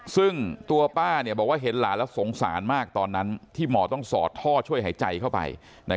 ซึ่งตัวป้าบอกว่าเห็นหลานแล้วสงสารมากตอนนั้นที่หมอต้องสอดท่อช่วยหายใจเข้าไป